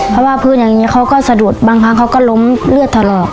เพราะว่าพื้นอย่างนี้เขาก็สะดุดบางครั้งเขาก็ล้มเลือดถลอก